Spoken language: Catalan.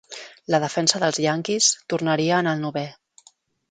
La defensa dels Yankees tornaria en el novè.